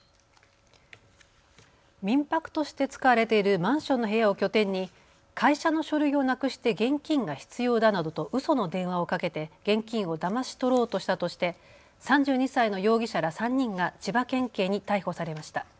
民泊として使われているマンションの部屋を拠点に会社の書類をなくして現金が必要だなどとうその電話をかけて現金をだまし取ろうとしたとして３２歳の容疑者ら３人が千葉県警に逮捕されました。